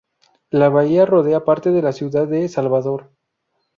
La bahía rodea parte de la ciudad de Salvador.